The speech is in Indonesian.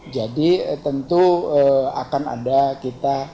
jadi tentu akan ada kita